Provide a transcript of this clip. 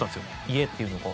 『家』っていうのを。